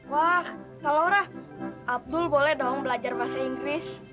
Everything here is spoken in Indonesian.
wah kalau rah abdul boleh dong belajar bahasa inggris